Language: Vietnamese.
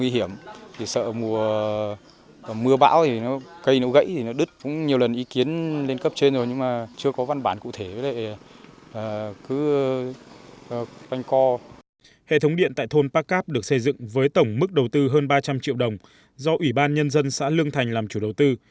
hệ thống điện tại thôn pakap được xây dựng với tổng mức đầu tư hơn ba trăm linh triệu đồng do ủy ban nhân dân xã lương thành làm chủ đầu tư